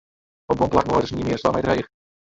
Op guon plakken leit de snie mear as twa meter heech.